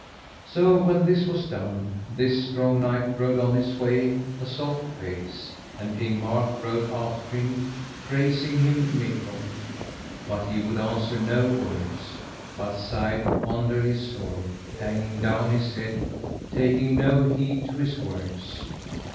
So when this was done, this strong knight rode on his way a soft pace, and King Mark rode after him, praising him mickle; but he would answer no words, but sighed wonderly sore, hanging down his head, taking no heed to his words.